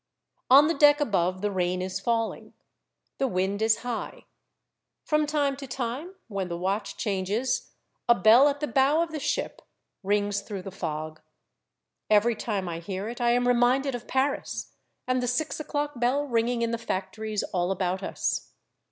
On the deck above the rain is falling. The wind is high. From time to time, when the watch changes, a bell at the bow of the ship rings through the fog. Every time I hear it I am reminded of Paris, and the six o'clock bell ringing in the fac tories all about us.